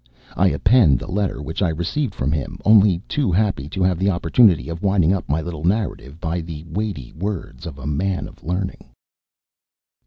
I append the letter which I received from him, only too happy to have the opportunity of winding up my little narrative by the weighty words of a man of learning.